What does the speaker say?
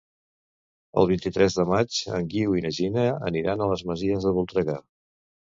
El vint-i-tres de maig en Guiu i na Gina aniran a les Masies de Voltregà.